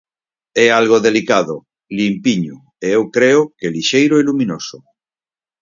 É algo delicado, limpiño e eu creo que lixeiro e luminoso.